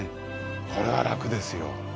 これは楽ですよ。